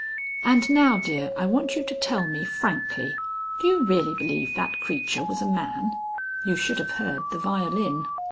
"And now, dear, I want you to tell me frankly Do you really believe that creature was a man?" "You should have heard the violin."